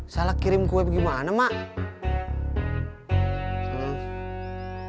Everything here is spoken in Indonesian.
salah kirim kue gimana mak